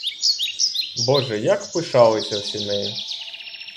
Боже, як пишалися всі нею!